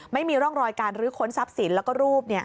ไม่มีร่องรอยการรื้อค้นทรัพย์สินแล้วก็รูป